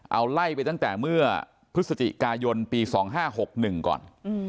เอาไล่ไปตั้งแต่เมื่อพฤศจิกายนปี๒๕๖๑ก่อน